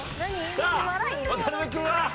さぁ渡辺君は？